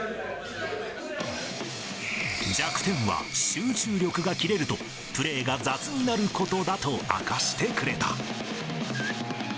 弱点は集中力が切れると、プレーが雑になることだと明かしてくれた。